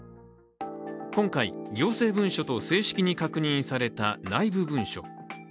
今回、行政文書と正式に確認された内部文書。